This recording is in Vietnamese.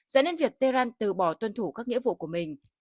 dẫn đến việc tehran từ bỏ tuân thủ các nghĩa vụ của mình